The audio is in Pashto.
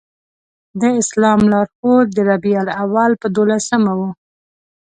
د اسلام لار ښود د ربیع الاول په دولسمه و.